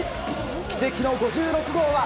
奇跡の５６号は？